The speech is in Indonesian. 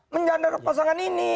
menyandra pasangan ini